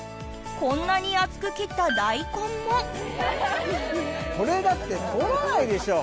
こんなに厚く切った大根もこれだって通らないでしょ！